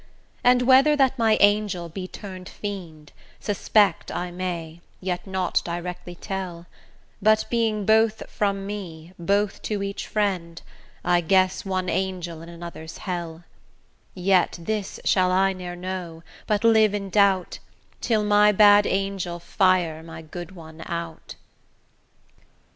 And whether that my angel be turn'd fiend, Suspect I may, yet not directly tell; But being both from me, both to each friend, I guess one angel in another's hell: Yet this shall I ne'er know, but live in doubt, Till my bad angel fire my good one out.